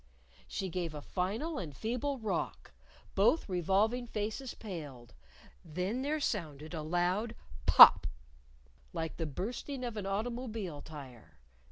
She gave a final and feeble rock. Both revolving faces paled. Then there sounded a loud pop like the bursting of an automobile tire.